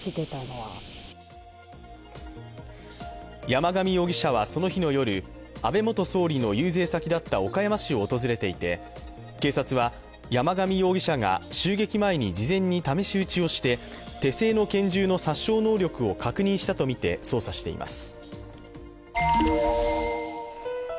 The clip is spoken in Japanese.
山上容疑者はその日の夜、安倍元総理の遊説先だった岡山市を訪れていて警察は山上容疑者が襲撃前に事前に試し撃ちをして手製の拳銃の殺傷能力を確認したとみて捜査しています。